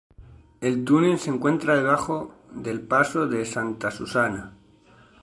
El túnel se encuentra debajo del paso de Santa Susana.